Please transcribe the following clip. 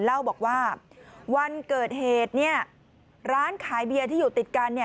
เล่าบอกว่าวันเกิดเหตุร้านขายเบียร์ที่อยู่ติดกัน